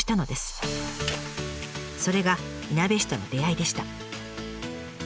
それがいなべ市との出会いでした。